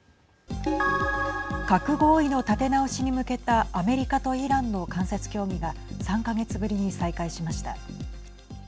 核合意の立て直しに向けたアメリカとイランの間接協議が３か月ぶりに再開しました。